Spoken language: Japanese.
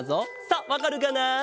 さあわかるかな？